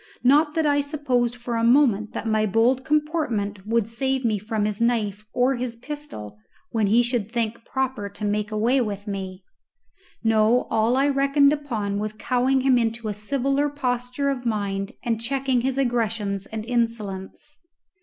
Not that I supposed for a moment that my bold comportment would save me from his knife or his pistol when he should think proper to make away with me. No. All I reckoned upon was cowing him into a civiller posture of mind, and checking his aggressions and insolence.